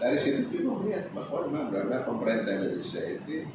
dari situ kita melihat bahwa memang benar benar pemerintah indonesia itu